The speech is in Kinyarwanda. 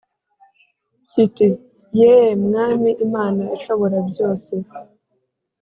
kiti “Yee Mwami Imana Ishoborabyose,